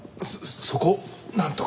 そこをなんとか。